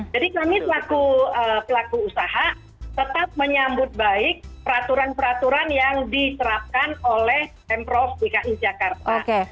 jadi kami pelaku usaha tetap menyambut baik peraturan peraturan yang diserapkan oleh m prof dki jakarta